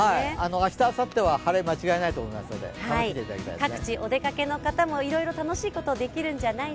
明日、あさっては晴れ、間違いないと思いますので、楽しんでいただきたいと思います。